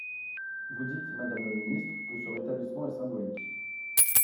Vous dites, madame le ministre, que ce rétablissement est symbolique.